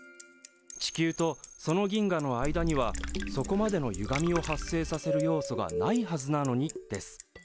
地球とその銀河の間にはそこまでのゆがみを発生させる要素がないはずなのにです。